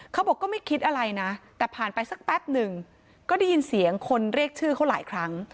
เขาบอกก็ไม่คิดอะไรนะแต่ผ่านไปสักแป๊บหนึ่งก็ได้ยินเสียงคนเรียกชื่อเขาหลายครั้ง